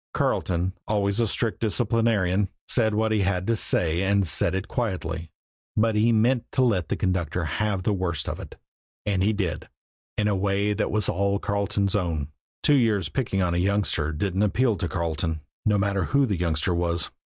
Carleton, always a strict disciplinarian, said what he had to say and said it quietly; but he meant to let the conductor have the worst of it, and he did in a way that was all Carleton's own. Two years' picking on a youngster didn't appeal to Carleton, no matter who the youngster was.